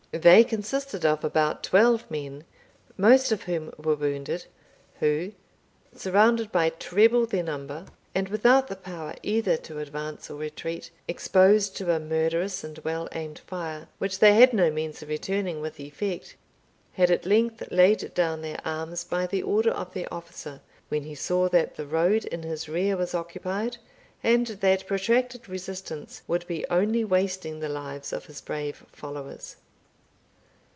They consisted of about twelve men most of whom were wounded, who, surrounded by treble their number, and without the power either to advance or retreat, exposed to a murderous and well aimed fire, which they had no means of returning with effect, had at length laid down their arms by the order of their officer, when he saw that the road in his rear was occupied, and that protracted resistance would be only wasting the lives of his brave followers.